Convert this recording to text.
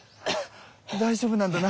大丈夫なんだな。